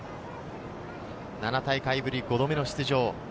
７大会ぶり５度目の出場。